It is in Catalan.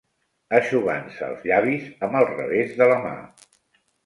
...eixugant-se els llavis amb el revés de la mà